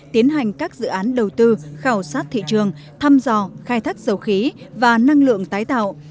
tiến hành các dự án đầu tư khảo sát thị trường thăm dò khai thác dầu khí và năng lượng tái tạo